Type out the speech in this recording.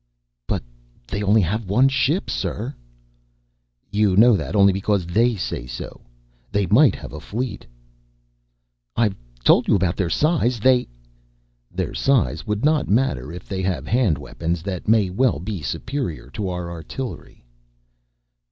"But they only have one ship, sir." "You know that only because they say so. They might have a fleet." "I've told you about their size. They " "Their size would not matter, if they have handweapons that may well be superior to our artillery."